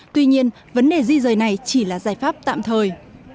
tuy nhiên vấn đề di rời này chỉ là giải pháp tạm thời